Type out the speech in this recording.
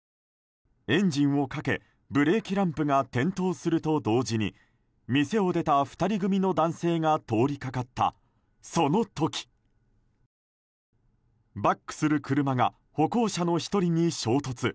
エンジンをかけブレーキランプが点灯すると同時に店を出た２人組の男性が通りかかったその時バックする車が歩行者の１人に衝突。